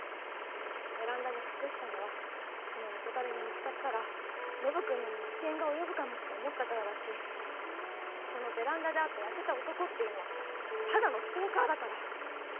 ベランダに隠したのはその元彼に見つかったらノブ君の身に危険が及ぶかもって思ったからだしそのベランダで会った痩せた男っていうのはただのストーカーだから。